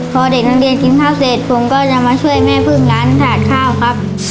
พอเด็กนักเรียนกินข้าวเสร็จผมก็จะมาช่วยแม่พึ่งร้านถาดข้าวครับ